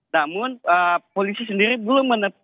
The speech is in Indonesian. namun polisi sendiri belum menetapkan